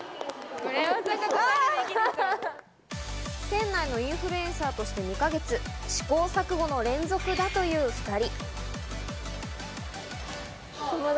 店内のインフルエンサーとして２か月、試行錯誤の連続だという２人。